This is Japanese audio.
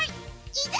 いざ